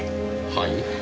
はい？